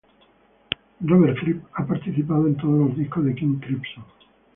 Robert Fripp ha participado en todos los discos de King Crimson